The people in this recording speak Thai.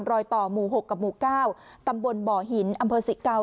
ดูลอยต่อหมู่หกกับหมู่เก้าตำบลเบาะหินอำเภอสิกเกา